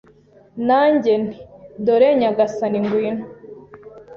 Nanjye nti: "Dore nyagasani, ngwino."